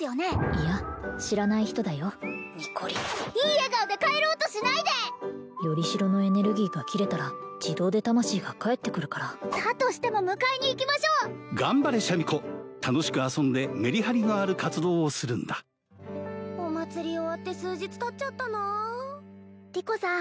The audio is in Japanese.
いや知らない人だよいい笑顔で帰ろうとしないで！よりしろのエネルギーが切れたら自動で魂が帰ってくるからだとしても迎えに行きましょう頑張れシャミ子楽しく遊んでメリハリのある活動をするんだ・お祭り終わって数日たっちゃったなリコさん